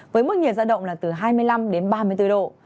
với mức nhiệt ra động là từ hai mươi năm đến ba mươi bốn độ